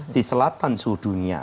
di selatan seluruh dunia